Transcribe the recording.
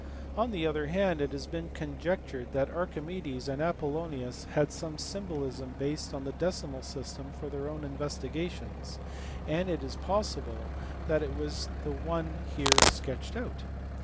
On the other hand it has been conjectured that Archimedes and Apollonius had some symbolism based on the decimal system for their own investigations, and it is possible that it was the one here sketched out.